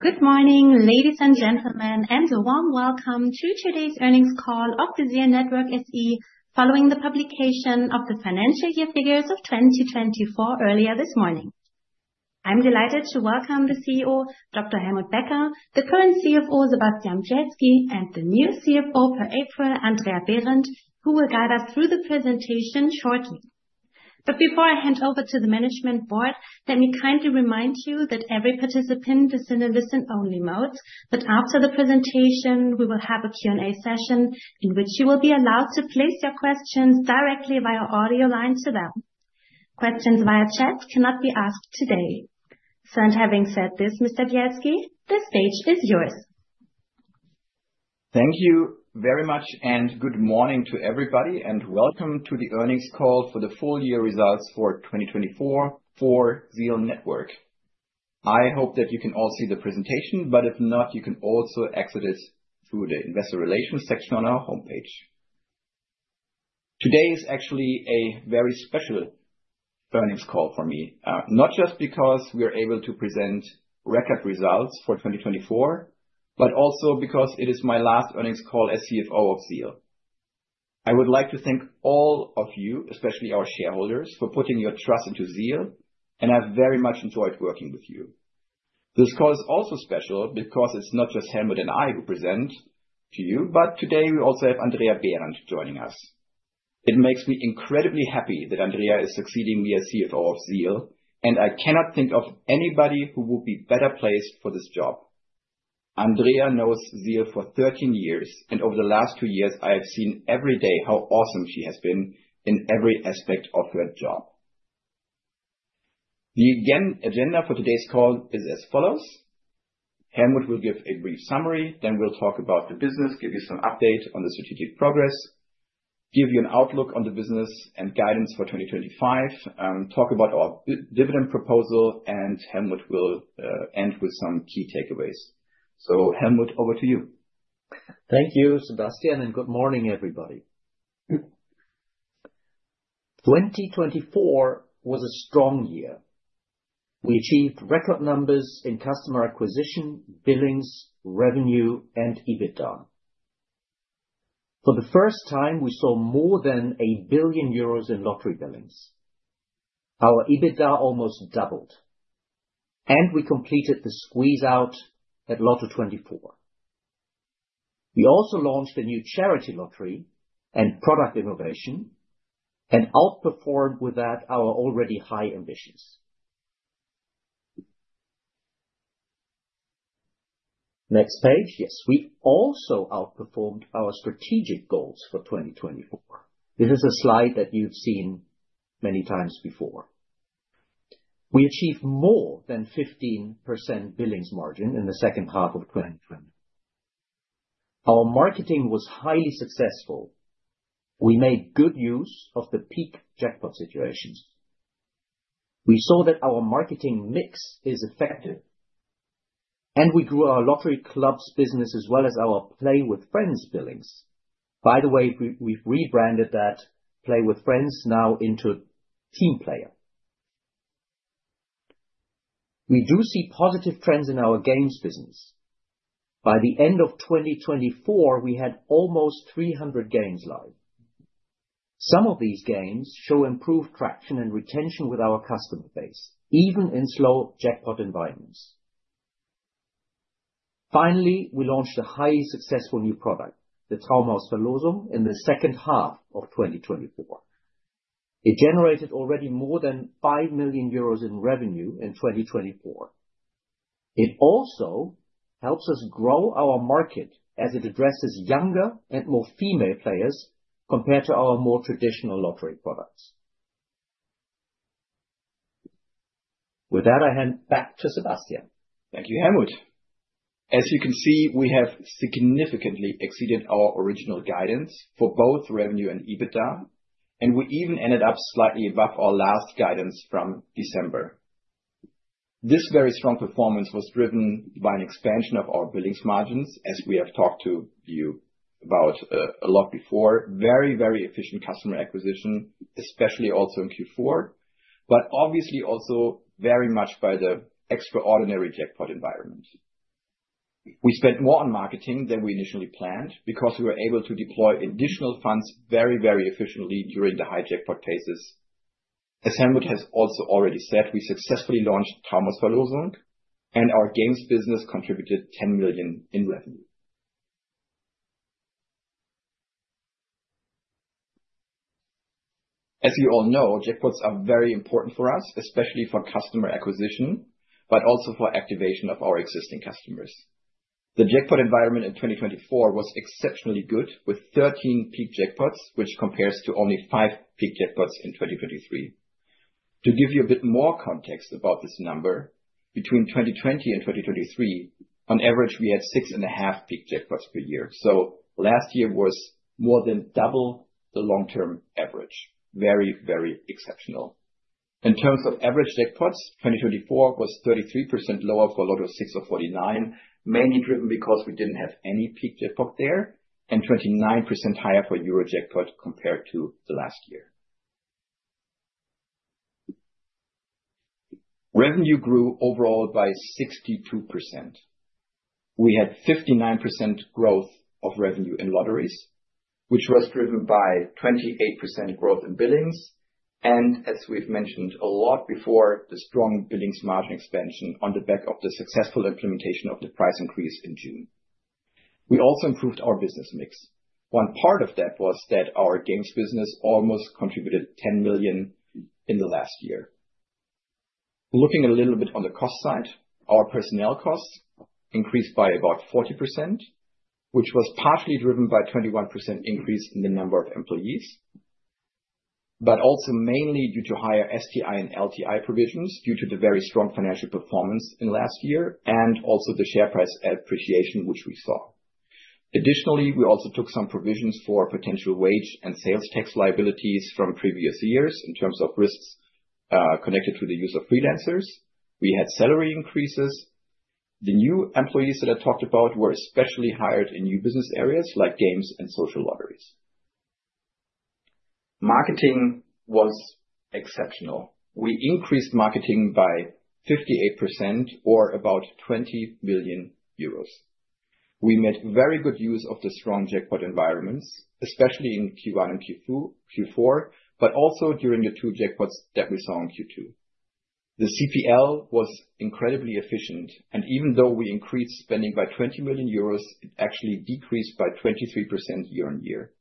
Good morning, ladies and gentlemen, and a warm welcome to today's earnings call of the ZEAL Network SE following the publication of the financial year figures of 2024 earlier this morning. I'm delighted to welcome the CEO, Dr. Helmut Becker, the current CFO, Sebastian Bielski, and the new CFO per April, Andrea Behrendt, who will guide us through the presentation shortly. Before I hand over to the management board, let me kindly remind you that every participant is in a listen-only mode, but after the presentation, we will have a Q&A session in which you will be allowed to place your questions directly via audio-line to them. Questions via chat cannot be asked today. Having said this, Mr. Bielski, the stage is yours. Thank you very much, and good morning to everybody, and welcome to the earnings call for the full year results for 2024 for ZEAL Network. I hope that you can all see the presentation, but if not, you can also access it through the Investor Relations section on our homepage. Today is actually a very special earnings call for me, not just because we are able to present record results for 2024, but also because it is my last earnings call as CFO of ZEAL. I would like to thank all of you, especially our shareholders, for putting your trust into ZEAL, and I've very much enjoyed working with you. This call is also special because it's not just Helmut and I who present to you, but today we also have Andrea Behrendt joining us. It makes me incredibly happy that Andrea is succeeding me as CFO of ZEAL, and I cannot think of anybody who would be better placed for this job. Andrea knows ZEAL for 13 years, and over the last two years, I have seen every day how awesome she has been in every aspect of her job. The agenda for today's call is as follows: Helmut will give a brief summary, then we'll talk about the business, give you some update on the strategic progress, give you an outlook on the business and guidance for 2025, talk about our dividend proposal, and Helmut will end with some key takeaways. Helmut, over to you. Thank you, Sebastian, and good morning, everybody. 2024 was a strong year. We achieved record numbers in customer acquisition, billings, revenue, and EBITDA. For the first time, we saw more than 1 billion euros in lottery billings. Our EBITDA almost doubled, and we completed the squeeze-out at Lotto24. We also launched a new charity lottery and product innovation and outperformed with that our already high ambitions. Next page, yes, we also outperformed our strategic goals for 2024. This is a slide that you've seen many times before. We achieved more than 15% billings margin in the second half of 2024. Our marketing was highly successful. We made good use of the peak jackpot situations. We saw that our marketing mix is effective, and we grew our lottery clubs business as well as our Play with Friends billings. By the way, we've rebranded that Play with Friends now into Team Player. We do see positive trends in our games business. By the end of 2024, we had almost 300 games live. Some of these games show improved traction and retention with our customer base, even in slow jackpot environments. Finally, we launched a highly successful new product, the Traumhausverlosung, in the second half of 2024. It generated already more than 5 million euros in revenue in 2024. It also helps us grow our market as it addresses younger and more female players compared to our more traditional lottery products. With that, I hand back to Sebastian. Thank you, Helmut. As you can see, we have significantly exceeded our original guidance for both revenue and EBITDA, and we even ended up slightly above our last guidance from December. This very strong performance was driven by an expansion of our billings margins, as we have talked to you about a lot before, very, very efficient customer acquisition, especially also in Q4, but obviously also very much by the extraordinary jackpot environment. We spent more on marketing than we initially planned because we were able to deploy additional funds very, very efficiently during the high-jackpot phases. As Helmut has also already said, we successfully launched Traumhausverlosung, and our games business contributed 10 million in revenue. As you all know, jackpots are very important for us, especially for customer acquisition, but also for activation of our existing customers. The jackpot environment in 2024 was exceptionally good, with 13 peak jackpots, which compares to only five peak jackpots in 2023. To give you a bit more context about this number, between 2020 and 2023, on average, we had six and a half peak jackpots per year. Last year was more than double the long-term average. Very, very exceptional. In terms of average jackpots, 2024 was 33% lower for Lotto 6aus49, mainly driven because we did not have any peak jackpot there, and 29% higher for Eurojackpot compared to last year. Revenue grew overall by 62%. We had 59% growth of revenue in lotteries, which was driven by 28% growth in billings, and as we have mentioned a lot before, the strong billings margin expansion on the back of the successful implementation of the price increase in June. We also improved our business mix. One part of that was that our games business almost contributed 10 million in the last year. Looking a little bit on the cost side, our personnel costs increased by about 40%, which was partially driven by a 21% increase in the number of employees, but also mainly due to higher STI and LTI provisions due to the very strong financial performance in last year and also the share price appreciation which we saw. Additionally, we also took some provisions for potential wage and sales tax liabilities from previous years in terms of risks connected to the use of freelancers. We had salary increases. The new employees that I talked about were especially hired in new business areas like games and social lotteries. Marketing was exceptional. We increased marketing by 58% or about 20 million euros. We made very good use of the strong jackpot environments, especially in Q1 and Q4, but also during the two jackpots that we saw in Q2. The CPL was incredibly efficient, and even though we increased spending by 20 million euros, it actually decreased by 23% year-on-year.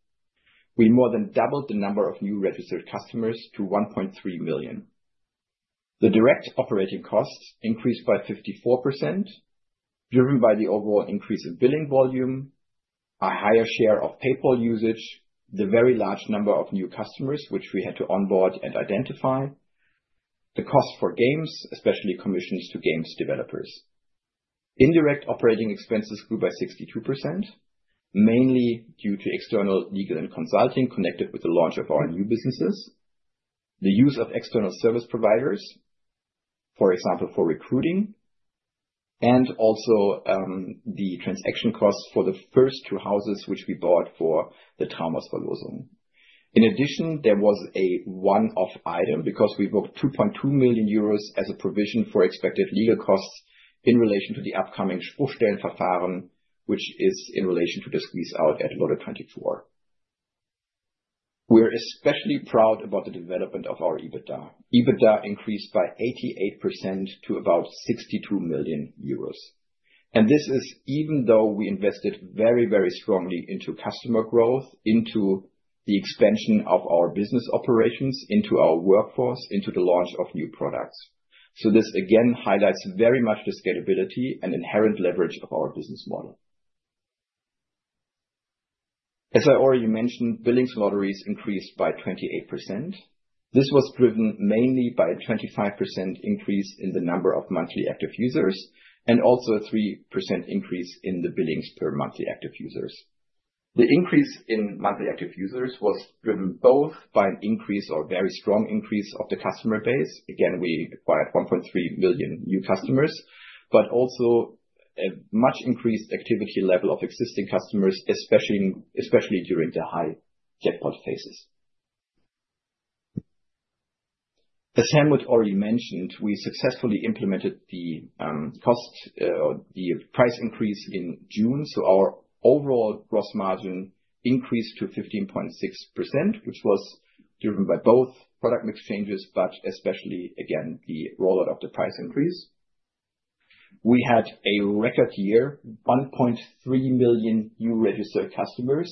We more than doubled the number of new registered customers to 1.3 million. The direct operating costs increased by 54%, driven by the overall increase in billing volume, a higher share of PayPal usage, the very large number of new customers which we had to onboard and identify, the cost for games, especially commissions to games developers. Indirect operating expenses grew by 62%, mainly due to external legal and consulting connected with the launch of our new businesses, the use of external service providers, for example, for recruiting, and also the transaction costs for the first two houses which we bought for the Traumhausverlosung. In addition, there was a one-off item because we booked 2.2 million euros as a provision for expected legal costs in relation to the upcoming Spruchverfahren, which is in relation to the squeeze-out at Lotto24. We're especially proud about the development of our EBITDA. EBITDA increased by 88% to about 62 million euros. This is even though we invested very, very strongly into customer growth, into the expansion of our business operations, into our workforce, into the launch of new products. This again highlights very much the scalability and inherent leverage of our business model. As I already mentioned, billings lotteries increased by 28%. This was driven mainly by a 25% increase in the number of Monthly Active Users and also a 3% increase in the billings per Monthly Active Users. The increase in monthly active users was driven both by an increase or very strong increase of the customer base. Again, we acquired 1.3 million new customers, but also a much increased activity level of existing customers, especially during the high jackpot phases. As Helmut already mentioned, we successfully implemented the cost or the price increase in June. Our overall gross margin increased to 15.6%, which was driven by both product mix changes, but especially, again, the rollout of the price increase. We had a record year, 1.3 million new registered customers,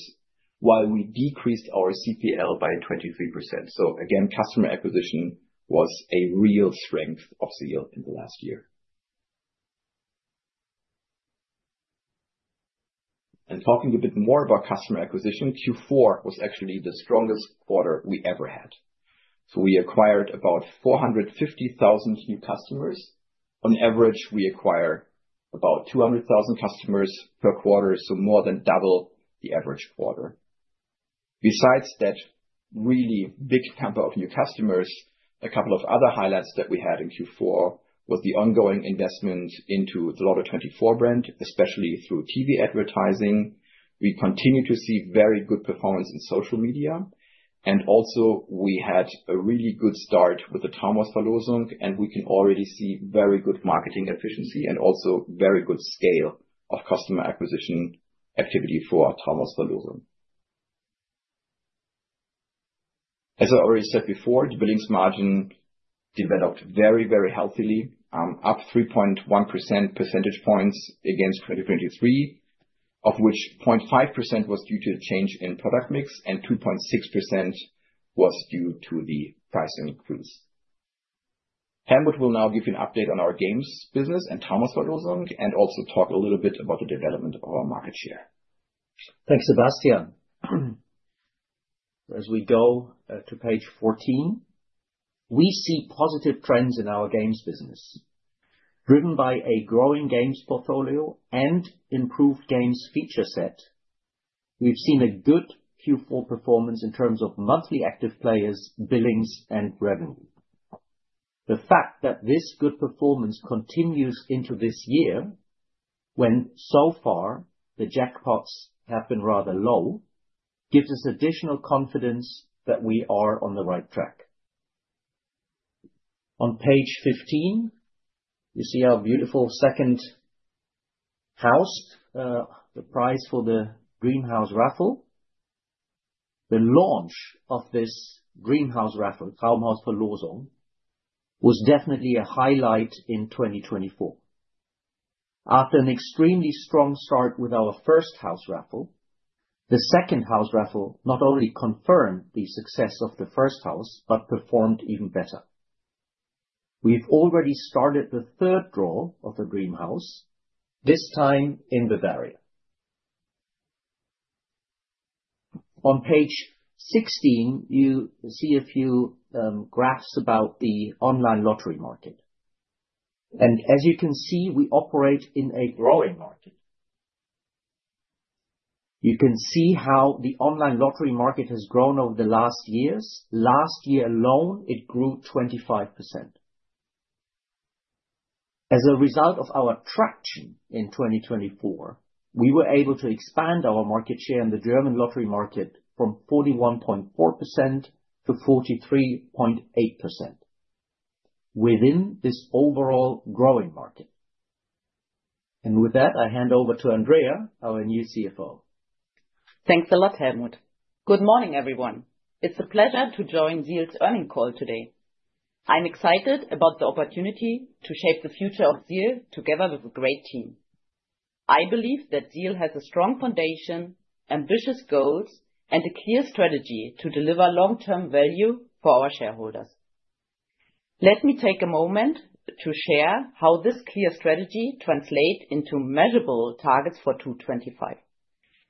while we decreased our CPL by 23%. Customer acquisition was a real strength of ZEAL in the last year. Talking a bit more about customer acquisition, Q4 was actually the strongest quarter we ever had. We acquired about 450,000 new customers. On average, we acquire about 200,000 customers per quarter, so more than double the average quarter. Besides that really big number of new customers, a couple of other highlights that we had in Q4 was the ongoing investment into the Lotto24 brand, especially through TV advertising. We continue to see very good performance in social media, and also we had a really good start with the Traumhausverlosung, and we can already see very good marketing efficiency and also very good scale of customer acquisition activity for Traumhausverlosung. As I already said before, the billings margin developed very, very healthily, up 3.1 percentage points against 2023, of which 0.5% was due to a change in product mix and 2.6% was due to the price increase. Helmut will now give you an update on our games business and Traumhausverlosung and also talk a little bit about the development of our market-share. Thanks, Sebastian. As we go to page 14, we see positive trends in our games business driven by a growing games portfolio and improved games feature set. We've seen a good Q4 performance in terms of Monthly Active Players, billings, and revenue. The fact that this good performance continues into this year, when so far the jackpots have been rather low, gives us additional confidence that we are on the right track. On page 15, you see our beautiful second house, the prize for the Dream House Raffle. The launch of this Dream House Raffle, Traumhausverlosung, was definitely a highlight in 2024. After an extremely strong start with our first house raffle, the second house raffle not only confirmed the success of the first house, but performed even better. We've already started the third draw of the Dream House, this time in Bavaria. On page 16, you see a few graphs about the online lottery market. As you can see, we operate in a growing market. You can see how the online lottery market has grown over the last years. Last year alone, it grew 25%. As a result of our traction in 2024, we were able to expand our market-share in the German lottery market from 41.4% to 43.8% within this overall growing market. With that, I hand over to Andrea, our new CFO. Thanks a lot, Helmut. Good morning, everyone. It's a pleasure to join ZEAL's earning call today. I'm excited about the opportunity to shape the future of ZEAL together with a great team. I believe that ZEAL has a strong foundation, ambitious goals, and a clear strategy to deliver long-term value for our shareholders. Let me take a moment to share how this clear strategy translates into measurable targets for 2025.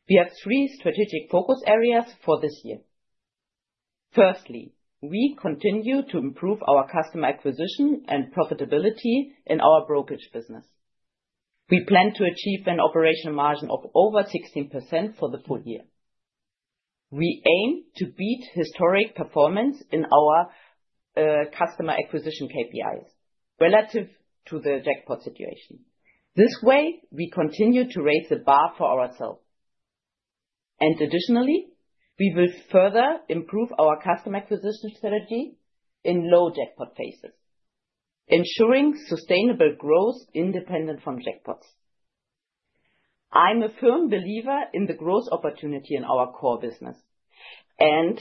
We have three strategic focus areas for this year. Firstly, we continue to improve our customer acquisition and profitability in our brokerage business. We plan to achieve an operational margin of over 16% for the full-year. We aim to beat historic performance in our customer acquisition KPIs relative to the jackpot situation. This way, we continue to raise the bar for ourselves. Additionally, we will further improve our customer acquisition strategy in low jackpot phases, ensuring sustainable growth independent from jackpots. I'm a firm believer in the growth opportunity in our core business and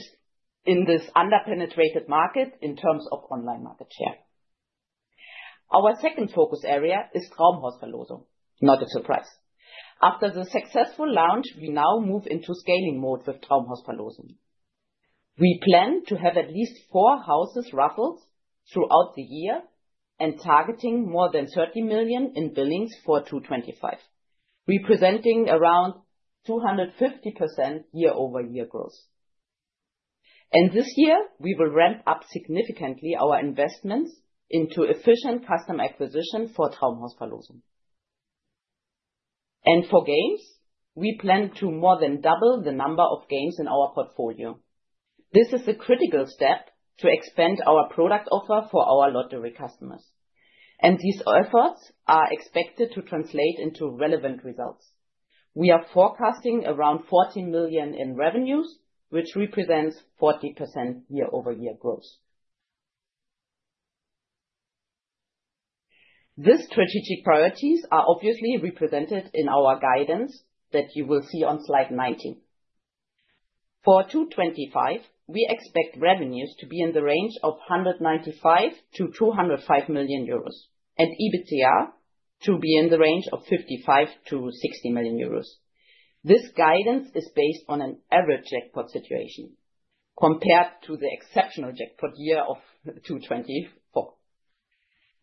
in this under-penetrated market in terms of online market share. Our second focus area is Traumhausverlosung, not a surprise. After the successful launch, we now move into scaling-mode with Traumhausverlosung. We plan to have at least four houses raffled throughout the year and targeting more than 30 million in billings for 2025, representing around 250% year-over-year growth. This year, we will ramp up significantly our investments into efficient customer acquisition for Traumhausverlosung. For games, we plan to more than double the number of games in our portfolio. This is a critical step to expand our product offer for our lottery customers. These efforts are expected to translate into relevant results. We are forecasting around 40 million in revenues, which represents 40% year-over-year growth. These strategic priorities are obviously represented in our guidance that you will see on slide 19. For 2025, we expect revenues to be in the range of 195-205 million euros and EBITDA to be in the range of 55-60 million euros. This guidance is based on an average jackpot situation compared to the exceptional jackpot year of 2024.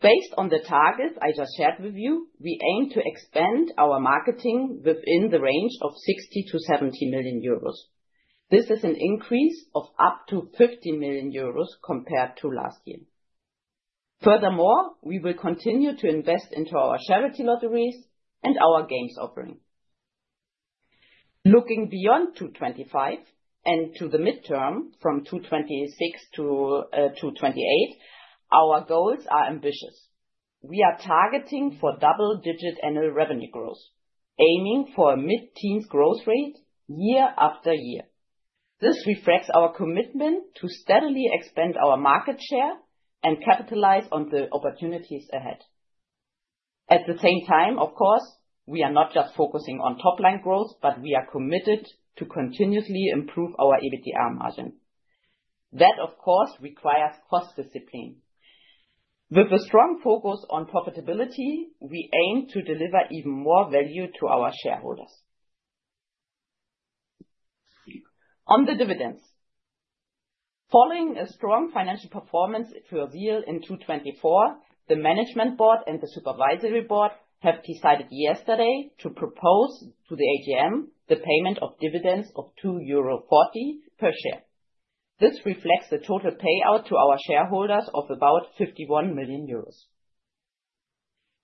Based on the targets I just shared with you, we aim to expand our marketing within the range of 60-70 million euros. This is an increase of up to 50 million euros compared to last year. Furthermore, we will continue to invest into our charity lotteries and our games offering. Looking beyond 2025 and to the midterm from 2026 to 2028, our goals are ambitious. We are targeting for double-digit annual revenue growth, aiming for a mid-teens growth rate year after year. This reflects our commitment to steadily expand our market share and capitalize on the opportunities ahead. At the same time, of course, we are not just focusing on top-line growth, but we are committed to continuously improve our EBITDA margin. That, of course, requires cost discipline. With a strong focus on profitability, we aim to deliver even more value to our shareholders. On the dividends. Following a strong financial performance for ZEAL in 2024, the Management Board and the Supervisory Board have decided yesterday to propose to the AGM the payment of dividends of 2.40 euro per share. This reflects the total payout to our shareholders of about 51 million euros.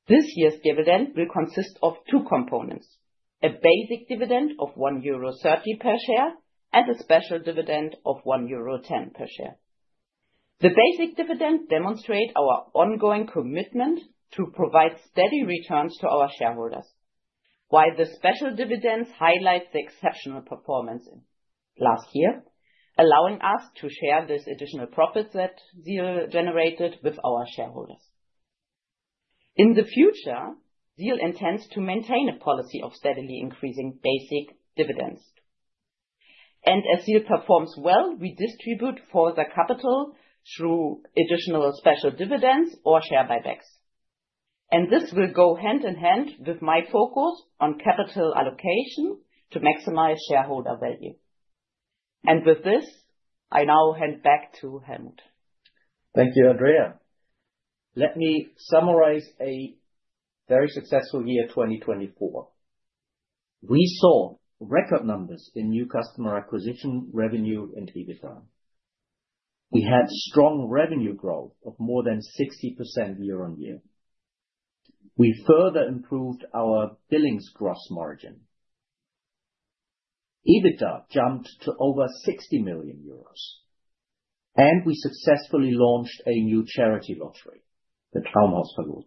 This year's dividend will consist of two components: a basic dividend of 1.30 euro per share and a special dividend of 1.10 euro per share. The basic dividend demonstrates our ongoing commitment to provide steady returns to our shareholders, while the special dividends highlight the exceptional performance last year, allowing us to share this additional profit that ZEAL generated with our shareholders. In the future, ZEAL intends to maintain a policy of steadily increasing basic dividends. As ZEAL performs well, we distribute further capital through additional special dividends or share buybacks. This will go hand in hand with my focus on capital allocation to maximize shareholder value. With this, I now hand back to Helmut. Thank you, Andrea. Let me summarize a very successful year 2024. We saw record numbers in new customer acquisition, revenue, and EBITDA. We had strong revenue growth of more than 60% year-on-year. We further improved our billings gross margin. EBITDA jumped to over 60 million euros. We successfully launched a new charity lottery, the Traumhausverlosung.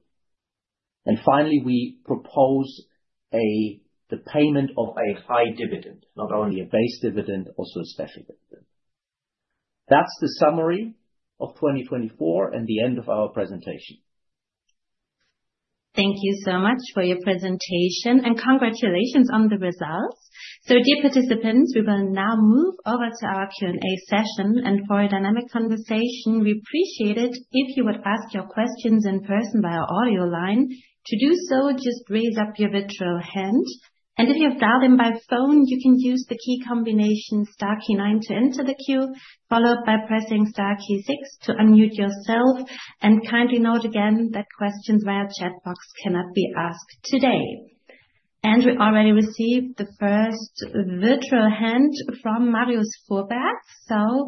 Finally, we propose the payment of a high dividend, not only a base dividend, also a special dividend. That is the summary of 2024 and the end of our presentation. Thank you so much for your presentation and congratulations on the results. Dear participants, we will now move over to our Q&A session for a dynamic conversation. We appreciate it if you would ask your questions in person via audio-line. To do so, just raise up your virtual hand. If you have dialed in by phone, you can use the key combination star key nine to enter the queue, followed by pressing star key six to unmute yourself. Kindly note again that questions via chat box cannot be asked today. We already received the first virtual hand from Marius Fuhrberg.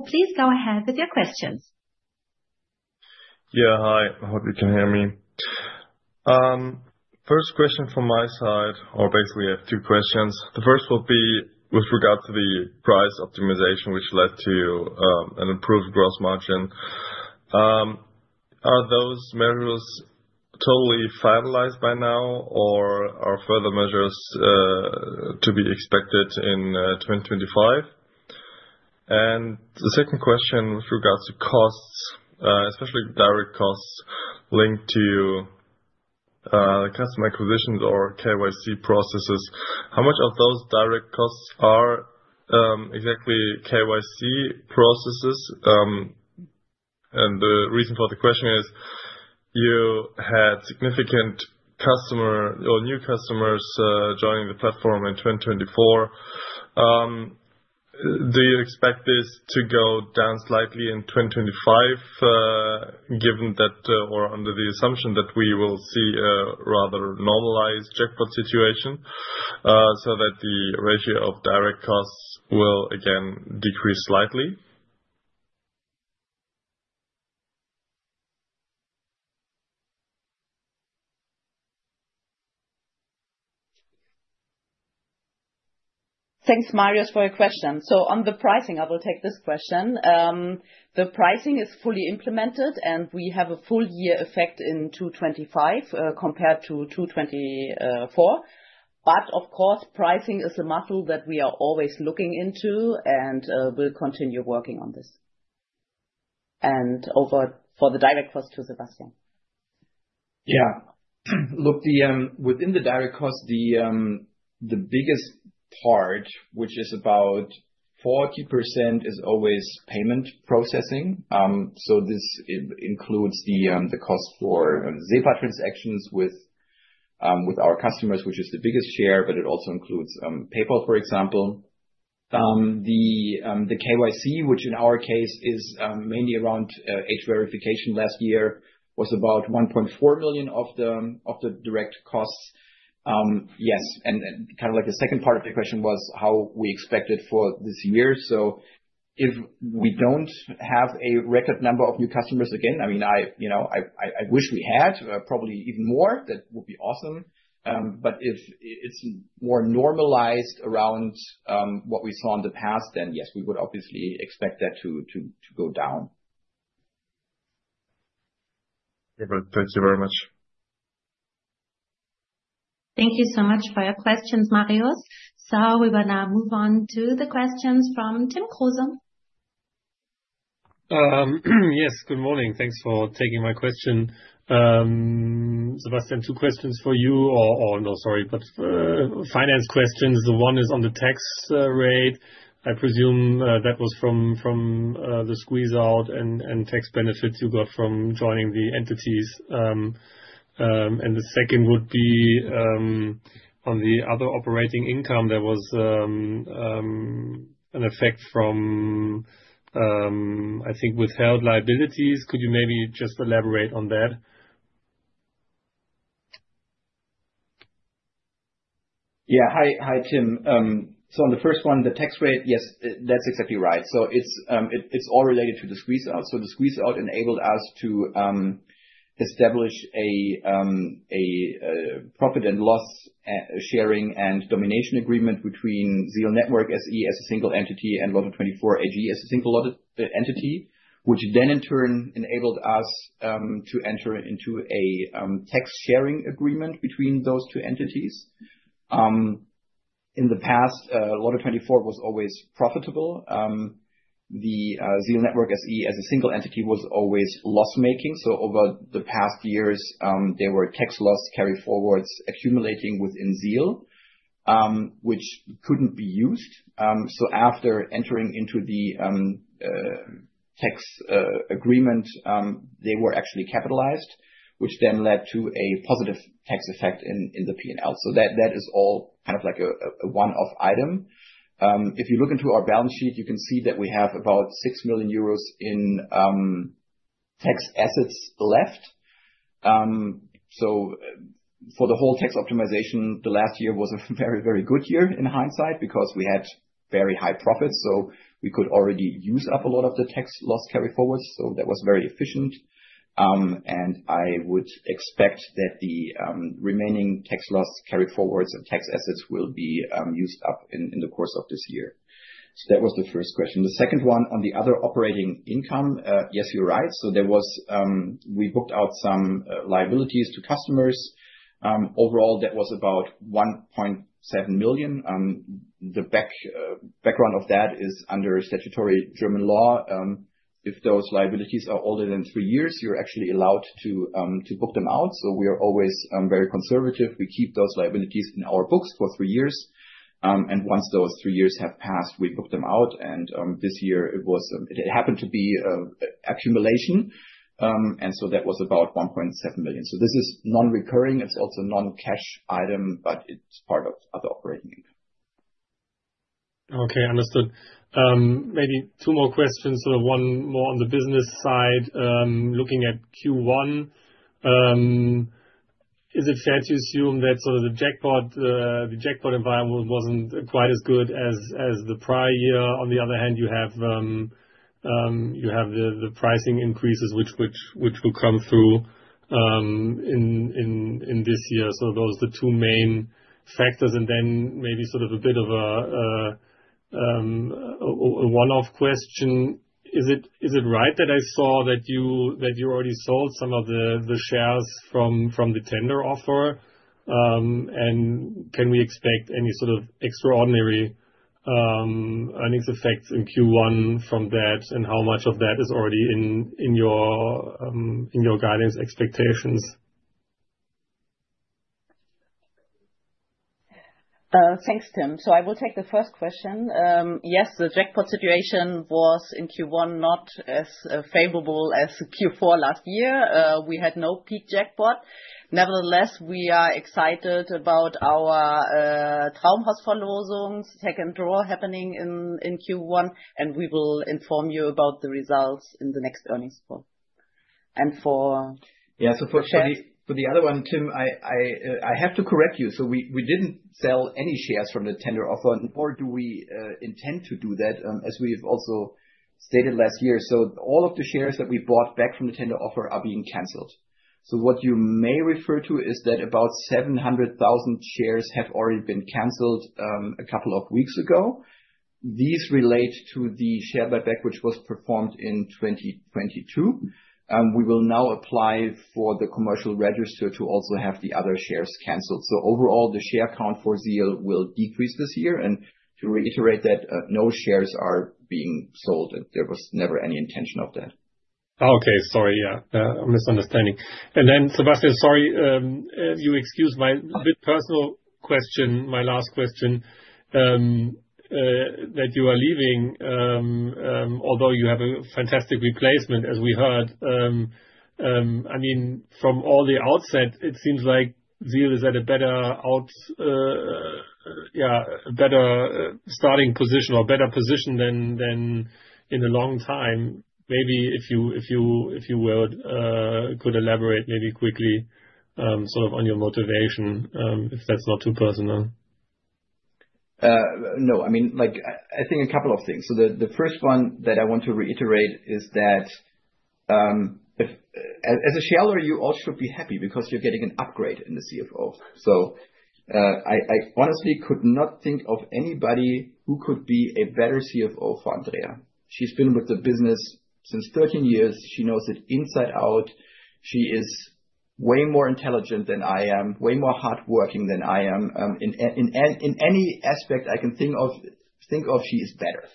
Please go ahead with your questions. Yeah, hi. I hope you can hear me. First question from my side, or basically I have two questions. The first will be with regard to the price optimization, which led to an improved gross margin. Are those measures totally finalized by now, or are further measures to be expected in 2025? The second question with regards to costs, especially direct costs linked to customer acquisitions or KYC processes, how much of those direct costs are exactly KYC processes? The reason for the question is you had significant customer or new customers joining the platform in 2024. Do you expect this to go down slightly in 2025, given that, or under the assumption that we will see a rather normalized jackpot situation, so that the ratio of direct costs will again decrease slightly? Thanks, Marius, for your question. On the pricing, I will take this question. The pricing is fully implemented, and we have a full-year effect in 2025 compared to 2024. Of course, pricing is a muscle that we are always looking into and will continue working on this. Over for the direct cost to Sebastian. Yeah. Look, within the direct cost, the biggest part, which is about 40%, is always payment processing. This includes the cost for SEPA transactions with our customers, which is the biggest share, but it also includes PayPal, for example. The KYC, which in our case is mainly around age verification last year, was about 1.4 million of the direct costs. Yes. Kind of like the second part of the question was how we expect it for this year. If we do not have a record number of new customers again, I mean, I wish we had, probably even more, that would be awesome. If it is more normalized around what we saw in the past, then yes, we would obviously expect that to go down. Yeah, thank you very much. Thank you so much for your questions, Marius. We will now move on to the questions from Tim Kruse. Yes, good morning. Thanks for taking my question. Sebastian, two questions for you, or no, sorry, but finance questions. The one is on the tax rate. I presume that was from the squeeze-out and tax benefits you got from joining the entities. The second would be on the other operating income. There was an effect from, I think, withheld liabilities. Could you maybe just elaborate on that? Yeah. Hi, Tim. On the first one, the tax rate, yes, that's exactly right. It's all related to the squeeze-out. The squeeze-out enabled us to establish a profit and loss sharing and domination agreement between ZEAL Network SE as a single entity and Lotto24 AG as a single entity, which in turn enabled us to enter into a tax sharing agreement between those two entities. In the past, Lotto24 was always profitable. ZEAL Network SE as a single entity was always loss-making. Over the past years, there were tax loss carry-forwards accumulating within ZEAL, which couldn't be used. After entering into the tax agreement, they were actually capitalized, which then led to a positive tax effect in the P&L. That is all kind of like a one-off item. If you look into our balance sheet, you can see that we have about 6 million euros in tax assets left. For the whole tax optimization, last year was a very, very good year in hindsight because we had very high profits. We could already use up a lot of the tax loss carry-forwards. That was very efficient. I would expect that the remaining tax loss carry-forwards and tax assets will be used up in the course of this year. That was the first question. The second one on the other operating income, yes, you're right. We booked out some liabilities to customers. Overall, that was about 1.7 million. The background of that is under statutory German law. If those liabilities are older than three years, you're actually allowed to book them out. We are always very conservative. We keep those liabilities in our books for three years. Once those three years have passed, we book them out. This year, it happened to be an accumulation. That was about 1.7 million. This is non-recurring. It is also a non-cash item, but it is part of other operating income. Okay, understood. Maybe two more questions, sort of one more on the business side. Looking at Q1, is it fair to assume that sort of the jackpot environment was not quite as good as the prior year? On the other hand, you have the pricing increases which will come through in this year. Those are the two main factors. Maybe sort of a bit of a one-off question. Is it right that I saw that you already sold some of the shares from the tender offer? Can we expect any sort of extraordinary earnings effects in Q1 from that? How much of that is already in your guidance expectations? Thanks, Tim. I will take the first question. Yes, the jackpot situation was in Q1 not as favorable as Q4 last year. We had no peak jackpot. Nevertheless, we are excited about our Traumhausverlosung second draw happening in Q1. We will inform you about the results in the next earnings call. For. Yeah, for the other one, Tim, I have to correct you. We didn't sell any shares from the tender offer. Nor do we intend to do that, as we've also stated last year. All of the shares that we bought back from the tender offer are being canceled. What you may refer to is that about 700,000 shares have already been canceled a couple of weeks ago. These relate to the share buyback, which was performed in 2022. We will now apply for the commercial register to also have the other shares canceled. Overall, the share count for ZEAL will decrease this year. To reiterate that, no shares are being sold. There was never any intention of that. Okay, sorry. Yeah, misunderstanding. Sebastian, sorry, if you excuse my personal question, my last question that you are leaving, although you have a fantastic replacement, as we heard. I mean, from all the outset, it seems like ZEAL is at a better starting position or better position than in a long time. Maybe if you could elaborate maybe quickly sort of on your motivation, if that's not too personal. No, I mean, I think a couple of things. The first one that I want to reiterate is that as a shareholder, you all should be happy because you're getting an upgrade in the CFO. I honestly could not think of anybody who could be a better CFO for Andrea. She's been with the business since 13 years. She knows it inside out. She is way more intelligent than I am, way more hardworking than I am. In any aspect I can think of, she is better.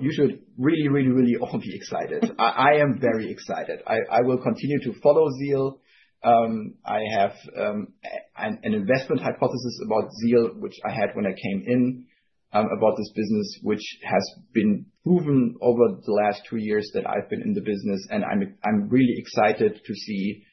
You should really, really, really all be excited. I am very excited. I will continue to follow ZEAL. I have an investment hypothesis about ZEAL, which I had when I came in about this business, which has been proven over the last two years that I've been in the business. I'm really excited to see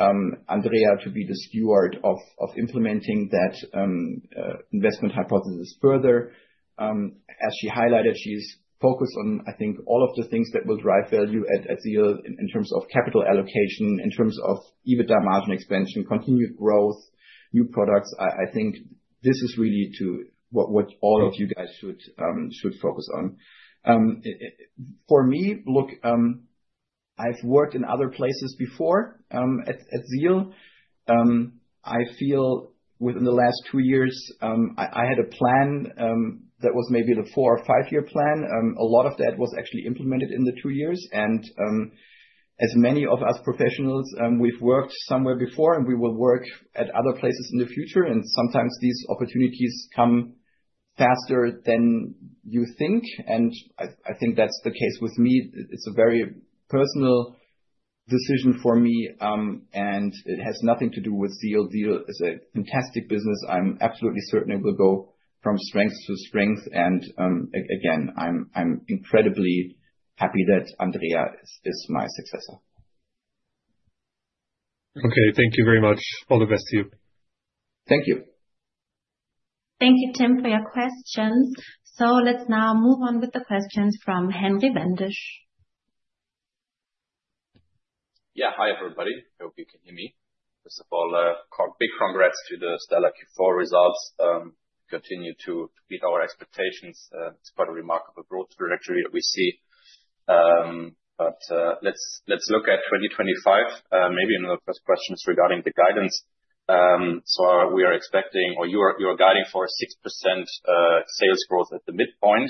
Andrea to be the steward of implementing that investment hypothesis further. As she highlighted, she's focused on, I think, all of the things that will drive value at ZEAL in terms of capital allocation, in terms of EBITDA margin expansion, continued growth, new products. I think this is really what all of you guys should focus on. For me, look, I've worked in other places before at ZEAL. I feel within the last two years, I had a plan that was maybe the four or five-year plan. A lot of that was actually implemented in the two years. As many of us professionals, we've worked somewhere before, and we will work at other places in the future. Sometimes these opportunities come faster than you think. I think that's the case with me. It's a very personal decision for me. It has nothing to do with ZEAL. ZEAL is a fantastic business. I'm absolutely certain it will go from strength to strength. Again, I'm incredibly happy that Andrea is my successor. Okay, thank you very much. All the best to you. Thank you. Thank you, Tim, for your questions. Let's now move on with the questions from Henry Wendisch. Yeah, hi, everybody. I hope you can hear me. First of all, big congrats to the stellar Q4 results. Continue to meet our expectations. It's quite a remarkable growth trajectory that we see. Let's look at 2025. Maybe another first question is regarding the guidance. We are expecting, or you are guiding for a 6% sales growth at the midpoint.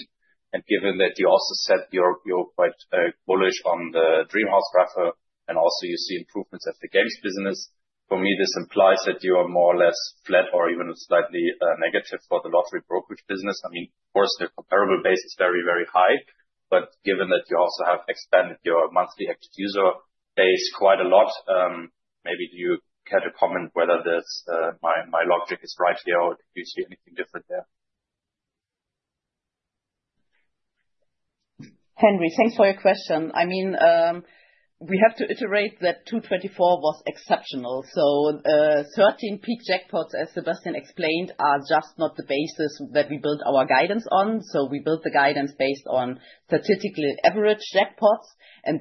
Given that you also said you're quite bullish on the Dream House Raffle and also you see improvements at the games business, for me, this implies that you are more or less flat or even slightly negative for the lottery brokerage business. I mean, of course, the comparable base is very, very high. Given that you also have expanded your monthly active user base quite a lot, maybe do you care to comment whether my logic is right here or do you see anything different there? Henry, thanks for your question. I mean, we have to iterate that 2024 was exceptional. Thirteen peak jackpots, as Sebastian explained, are just not the basis that we built our guidance on. We built the guidance based on statistically average jackpots.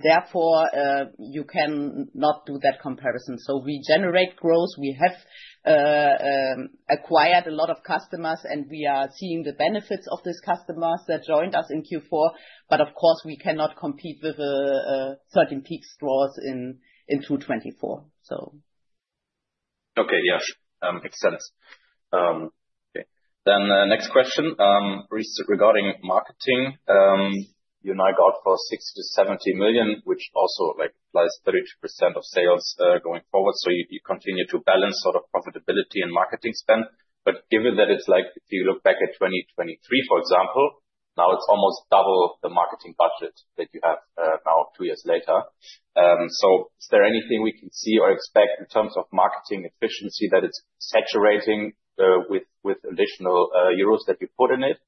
Therefore, you cannot do that comparison. We generate growth. We have acquired a lot of customers, and we are seeing the benefits of these customers that joined us in Q4. Of course, we cannot compete with thirteen peak draws in 2024. Okay, yes, makes sense. Okay. Next question regarding marketing. You and I got for 60 million-70 million, which also applies 32% of sales going forward. You continue to balance sort of profitability and marketing spend. Given that, if you look back at 2023, for example, now it is almost double the marketing budget that you have now two years later. Is there anything we can see or expect in terms of marketing efficiency, that it is saturating with additional euros that you put in it?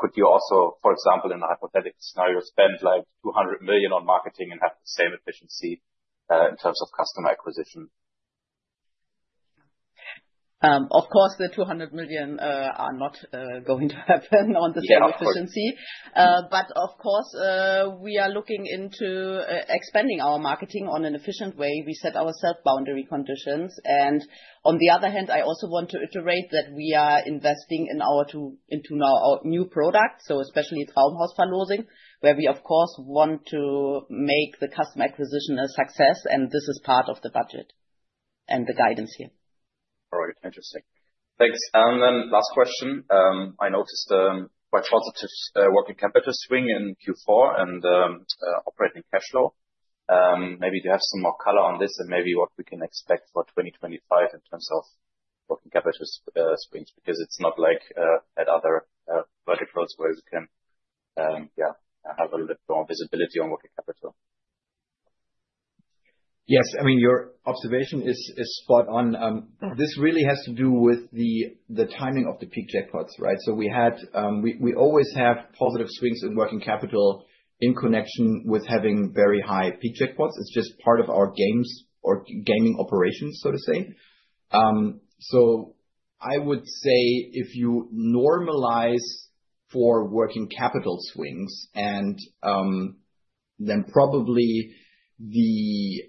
Could you also, for example, in a hypothetical scenario, spend 200 million on marketing and have the same efficiency in terms of customer acquisition? Of course, the 200 million are not going to happen on the same efficiency. Of course, we are looking into expanding our marketing in an efficient way. We set ourselves boundary conditions. On the other hand, I also want to iterate that we are investing in now our new product, so especially Traumhausverlosung, where we, of course, want to make the customer acquisition a success. This is part of the budget and the guidance here. All right, interesting. Thanks. Last question. I noticed quite positive working capital swing in Q4 and operating cash flow. Maybe you have some more color on this and maybe what we can expect for 2025 in terms of working capital swings because it's not like at other verticals where we can, yeah, have a little bit more visibility on working capital. Yes, I mean, your observation is spot on. This really has to do with the timing of the peak jackpots, right? We always have positive swings in working capital in connection with having very high peak jackpots. It's just part of our games or gaming operations, so to say. I would say if you normalize for working capital swings, then probably the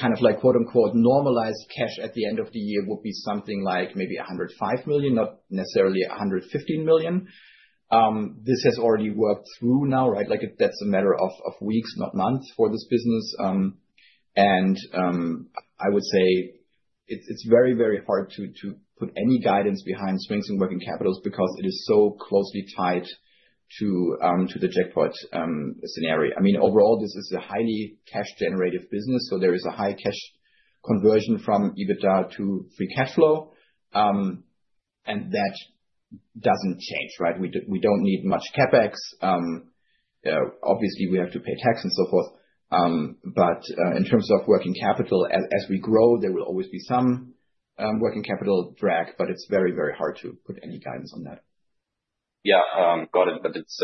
kind of quote-unquote normalized cash at the end of the year would be something like maybe 105 million, not necessarily 115 million. This has already worked through now, right? That's a matter of weeks, not months for this business. I would say it's very, very hard to put any guidance behind swings in working capital because it is so closely tied to the jackpot scenario. I mean, overall, this is a highly cash-generative business. There is a high cash conversion from EBITDA to free cash flow. That does not change, right? We do not need much CapEx. Obviously, we have to pay tax and so forth. In terms of working capital, as we grow, there will always be some working capital drag, but it is very, very hard to put any guidance on that. Yeah, got it. It is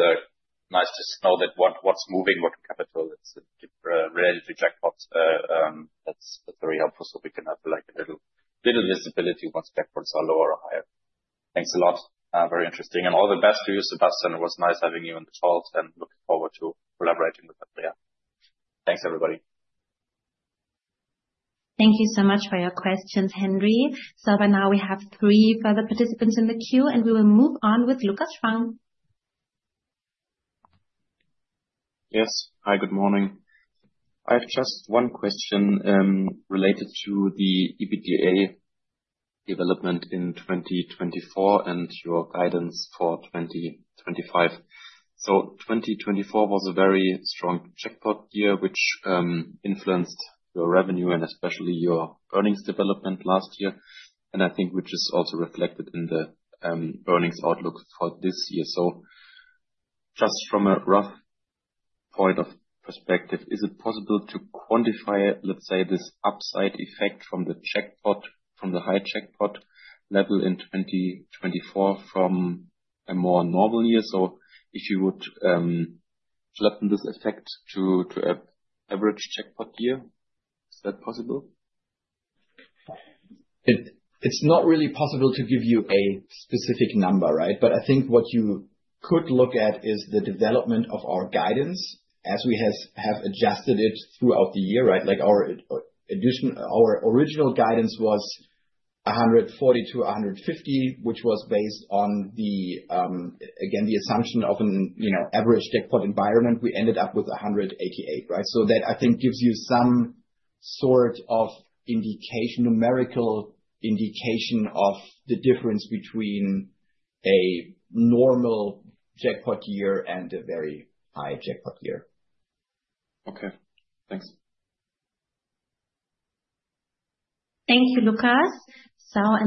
nice to know that what is moving working capital is related to jackpots. That is very helpful. We can have a little visibility once jackpots are lower or higher. Thanks a lot. Very interesting. All the best to you, Sebastian. It was nice having you in the talk and looking forward to collaborating with Andrea. Thanks, everybody. Thank you so much for your questions, Henry. By now, we have three further participants in the queue, and we will move on with Lukas Spang. Yes, hi, good morning. I have just one question related to the EBITDA development in 2024 and your guidance for 2025. 2024 was a very strong jackpot year, which influenced your revenue and especially your earnings development last year, and I think which is also reflected in the earnings outlook for this year. Just from a rough point of perspective, is it possible to quantify, let's say, this upside effect from the jackpot, from the high jackpot level in 2024 from a more normal year? If you would flatten this effect to an average jackpot year, is that possible? It's not really possible to give you a specific number, right? I think what you could look at is the development of our guidance as we have adjusted it throughout the year, right? Our original guidance was 140 million-150 million, which was based on, again, the assumption of an average jackpot environment. We ended up with 188 million, right? That, I think, gives you some sort of numerical indication of the difference between a normal jackpot year and a very high jackpot year. Okay, thanks. Thank you, Lukas.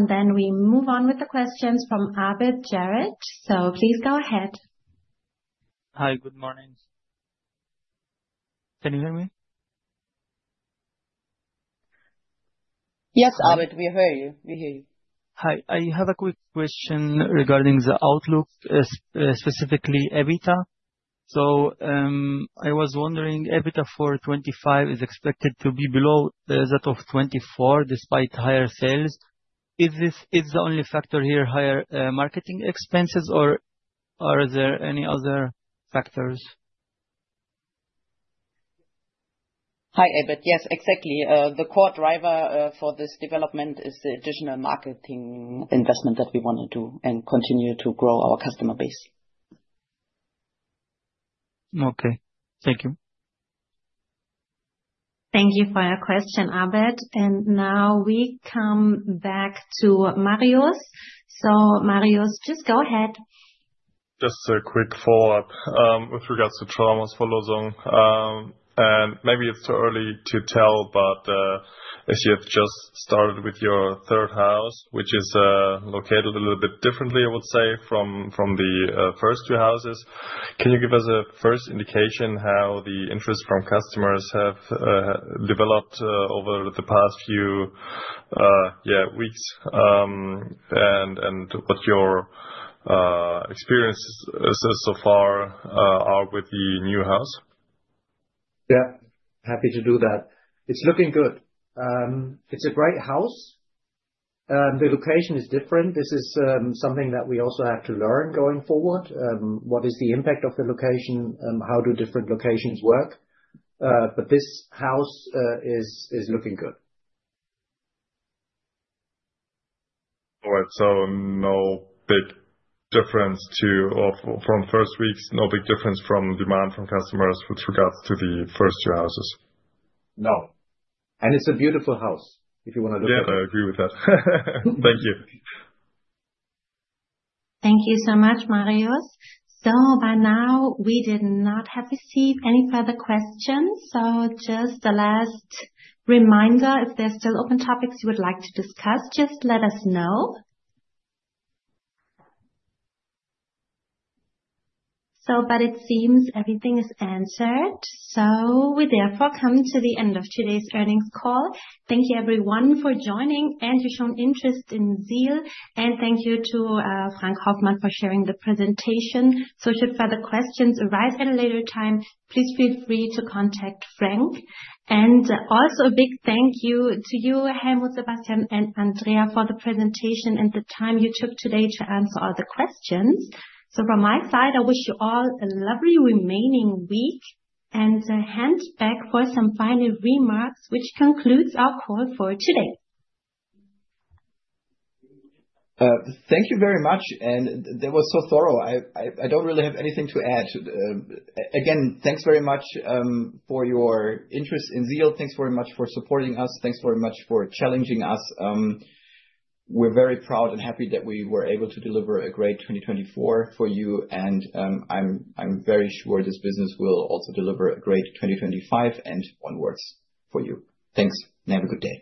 Then we move on with the questions from Abed Jarad. Please go ahead. Hi, good morning. Can you hear me? Yes, Abed, we hear you. We hear you. Hi, I have a quick question regarding the outlook, specifically EBITDA. I was wondering, EBITDA for 2025 is expected to be below that of 2024 despite higher sales. Is the only factor here higher marketing expenses, or are there any other factors? Hi, Abed. Yes, exactly. The core driver for this development is the additional marketing investment that we want to do and continue to grow our customer base. Okay, thank you. Thank you for your question, Abed. Now we come back to Marius. Marius, please go ahead. Just a quick follow-up with regards to Traumhausverlosung. Maybe it's too early to tell, but as you have just started with your third house, which is located a little bit differently, I would say, from the first two houses, can you give us a first indication how the interest from customers have developed over the past few weeks and what your experiences so far are with the new house? Yeah, happy to do that. It's looking good. It's a great house. The location is different. This is something that we also have to learn going forward. What is the impact of the location? How do different locations work? This house is looking good. All right. No big difference from first weeks, no big difference from demand from customers with regards to the first two houses. No. It's a beautiful house if you want to look at it. Yeah, I agree with that. Thank you. Thank you so much, Marius. By now, we did not have received any further questions. Just the last reminder, if there's still open topics you would like to discuss, just let us know. It seems everything is answered. We therefore come to the end of today's earnings call. Thank you, everyone, for joining and your shown interest in ZEAL. Thank you to Frank Hoffmann for sharing the presentation. Should further questions arise at a later time, please feel free to contact Frank. Also a big thank you to you, Helmut, Sebastian, and Andrea for the presentation and the time you took today to answer all the questions. From my side, I wish you all a lovely remaining week and hand back for some final remarks, which concludes our call for today. Thank you very much. That was so thorough. I don't really have anything to add. Again, thanks very much for your interest in ZEAL. Thanks very much for supporting us. Thanks very much for challenging us. We're very proud and happy that we were able to deliver a great 2024 for you. I'm very sure this business will also deliver a great 2025 and onwards for you. Thanks. Have a good day.